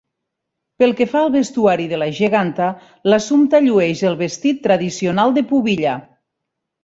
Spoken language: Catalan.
Pel que fa al vestuari de la geganta, l'Assumpta llueix el vestit tradicional de pubilla.